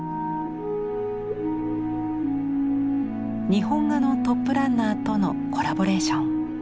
日本画のトップランナーとのコラボレーション。